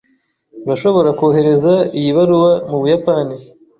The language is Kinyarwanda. Urashobora kohereza iyi baruwa mubuyapani?